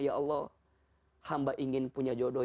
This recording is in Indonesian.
ya allah hamba ingin punya jodoh